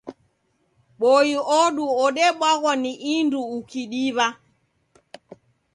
Boi odu odebwaghwa ni indu ukidiwa